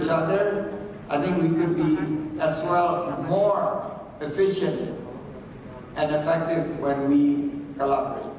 saya pikir kita juga bisa lebih efisien dan berkesan ketika kita berkolaborasi